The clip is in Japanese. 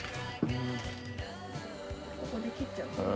ここで切っちゃうんです。